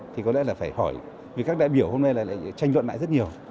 thì có lẽ là phải hỏi vì các đại biểu hôm nay là lại tranh luận lại rất nhiều